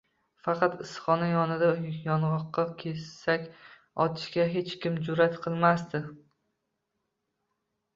Faqat issiqxona yonidagi yong‘oqqa kesak otishga hech kim jur’at qilmasdi.